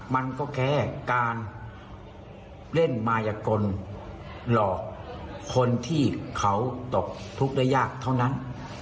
มันก็แค่การเล่นมายกลหลอกคนที่เขาตกทุกข์ได้ยากเท่านั้น